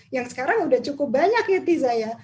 yang sekarang sudah cukup banyak ya tiza ya